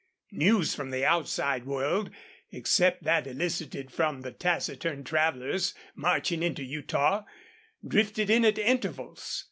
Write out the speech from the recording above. News from the outside world, except that elicited from the taciturn travelers marching into Utah, drifted in at intervals.